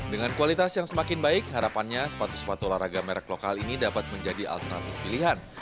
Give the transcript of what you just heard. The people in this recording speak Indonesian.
dengan kualitas yang semakin baik harapannya sepatu sepatu olahraga merek lokal ini dapat menjadi alternatif pilihan